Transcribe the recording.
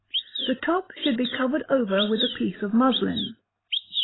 The top should be covered over with a piece of muslin.